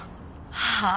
はあ？